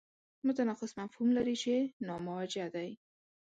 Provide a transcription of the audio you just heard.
متناقض مفهوم لري چې ناموجه دی.